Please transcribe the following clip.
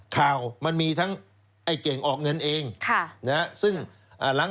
ข่าวมันมีทั้งไอ้เก่งออกเงินเอง